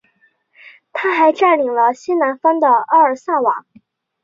他还占领了西南方的阿尔萨瓦。